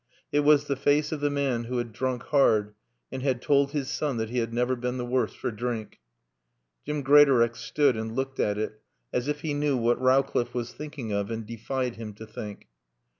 It was the face of the man who had drunk hard and had told his son that he had never been the worse for drink. Jim Greatorex stood and looked at it as if he knew what Rowcliffe was thinking of it and defied him to think.